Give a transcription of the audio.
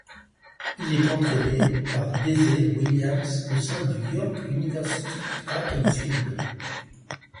Il est entraîné par Desai Williams au sein du York University Track & Field.